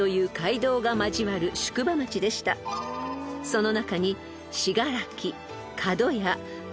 ［その中に］